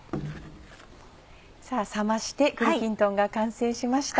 さぁ冷まして栗きんとんが完成しました。